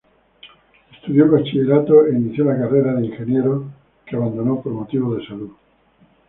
Estudió el bachillerato e inició la carrera Ingeniero que abandonó por motivos de salud.